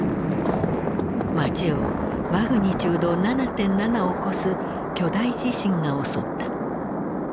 街をマグニチュード７．７を超す巨大地震が襲った。